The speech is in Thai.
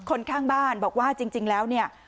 ข้างบ้านบอกว่าจริงแล้วเนี่ย